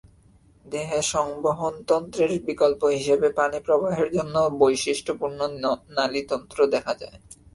দেহে সংবহনতন্ত্রের বিকল্প হিসেবে পানি প্রবাহের জন্য বৈশিষ্ট্য পূর্ণ নালীতন্ত্র দেখা যায়।